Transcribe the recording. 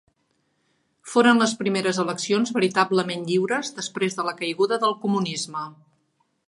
Foren les primeres eleccions veritablement lliures després de la caiguda del comunisme.